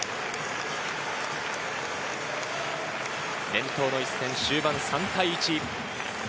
伝統の一戦、終盤３対１。